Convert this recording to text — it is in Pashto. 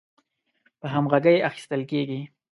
په همغږۍ اخیستل کیږي